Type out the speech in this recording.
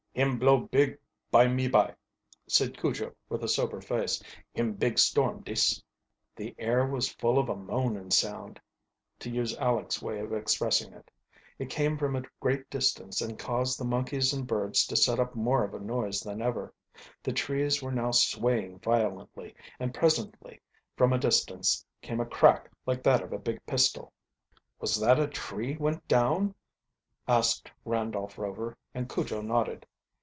"Him blow big by me by," said Cujo with a sober face. "Him big storm, dis." "The air was full of a moanin' sound," to use Aleck's way of expressing it. It came from a great distance and caused the monkeys and birds to set up more of a noise than ever. The trees were now swaying violently, and presently from a distance came a crack like that of a big pistol. "Was that a tree went down?" asked Randolph Rover, and Cujo nodded.